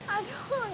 aduh gimana ya